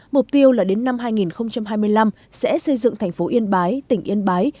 mục tiêu là đến năm hai nghìn hai mươi năm sẽ xây dựng thành phố yên bái tỉnh yên bái